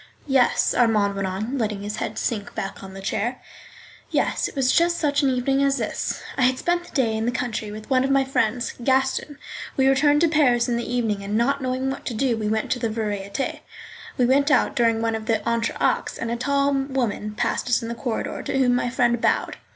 Yes (Armand went on, letting his head sink back on the chair), yes, it was just such an evening as this. I had spent the day in the country with one of my friends, Gaston R—. We returned to Paris in the evening, and not knowing what to do we went to the Variétés. We went out during one of the entr'actes, and a tall woman passed us in the corridor, to whom my friend bowed.